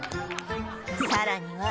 さらには